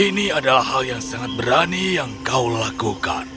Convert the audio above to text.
ini adalah hal yang sangat berani yang kau lakukan